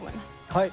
はい。